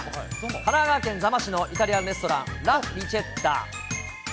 神奈川県座間市のイタリアンレストラン、ラ・リチェッタ。